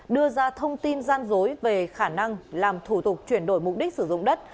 đưa ra thông tin gian dối về khả năng làm thủ tục chuyển đổi mục đích sử dụng đất